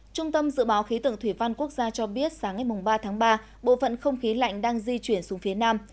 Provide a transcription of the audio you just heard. trung tâm dự báo khí tượng thủy văn quốc gia cho biết sáng ngày ba tháng ba bộ phận không khí lạnh đang di chuyển xuống phía nam